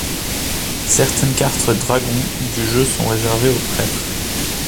Certaines cartes Dragons du jeu sont réservées au prêtre.